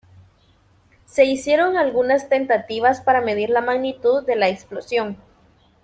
Se hicieron algunas tentativas para medir la magnitud de la explosión.